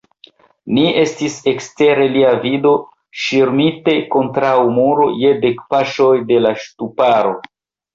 Ni estis ekster lia vido, ŝirmite kontraŭ muro, je dek paŝoj de la ŝtuparo.